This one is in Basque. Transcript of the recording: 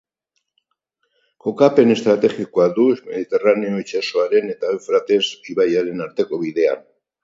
Kokapen estrategikoa du Mediterraneo itsasoaren eta Eufrates ibaiaren arteko bidean.